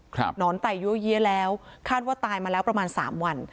หนอนไตยั้วเยี้ยแล้วคาดว่าตายมาแล้วประมาณสามวัน